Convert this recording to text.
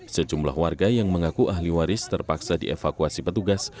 sejumlah warga yang mengaku ahli waris terpaksa dievakuasi petugas